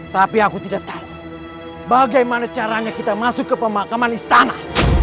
tapi aku tidak tahu bagaimana caranya kita masuk ke pemakaman istana